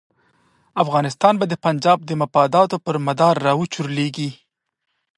افغانستان به د پنجاب د مفاداتو پر مدار را وچورلېږي.